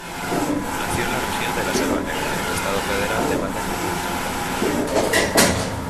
Nació en la región de la Selva Negra, en el estado federal de Baden-Wurtemberg.